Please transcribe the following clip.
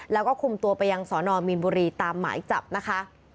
แล้วก็คุมตัวไปยังสอนอมีนบุรีตามหมายจับนะคะ